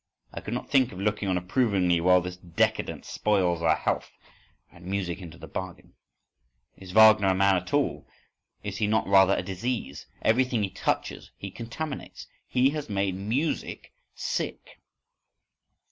I could not think of looking on approvingly while this décadent spoils our health—and music into the bargain. Is Wagner a man at all? Is he not rather a disease? Everything he touches he contaminates. _He has made music sick.